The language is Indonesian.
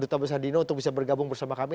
duta besar dino untuk bisa bergabung bersama kami